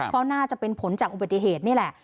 เพราะน่าจะเป็นผลจากอุบัติเหตุนี่แหละ